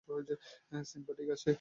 Simba ঠিক আছে।